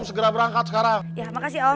segera berangkat sekarang ya makasih